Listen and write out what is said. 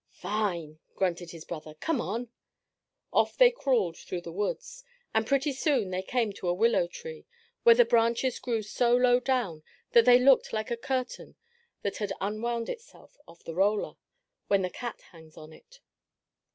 "Fine!" grunted his brother. "Come on!" Off they crawled through the woods, and pretty soon they came to a willow tree, where the branches grew so low down that they looked like a curtain that had unwound itself off the roller, when the cat hangs on it.